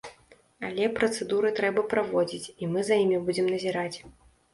Але працэдуры трэба праводзіць, і мы за імі будзем назіраць.